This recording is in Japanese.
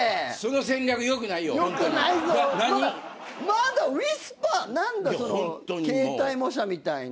まだウィスパー何だその形態模写みたいな。